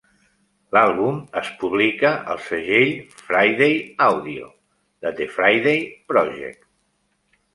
L'àlbum es publica al segell Friday Audio de The Friday Project.